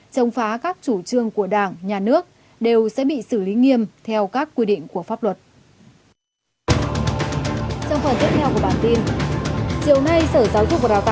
chống phá các chủ trương của đảng nhà nước đều sẽ bị xử lý nghiêm theo các quy định của pháp luật